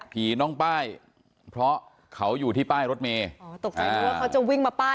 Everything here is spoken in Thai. ผีน้องป้ายเพราะเขาอยู่ที่ป้ายรถเมย์อ๋อตกใจนึกว่าเขาจะวิ่งมาป้าย